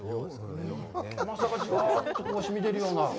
甘さがジワッとしみ出るような。